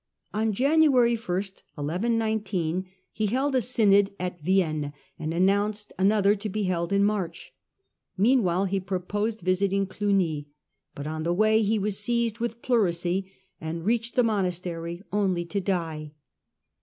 On January 1 he held a synod at Vienne, and announced another to be held in March. Meanwhile Death of he proposod visiting Clugny, but on the way 1119 he was seized with pleurisy, and reached the monastery only to die.